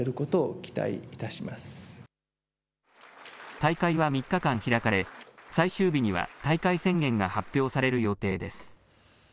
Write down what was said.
大会は３日間、開かれ最終日には大会宣言が発表される予定です。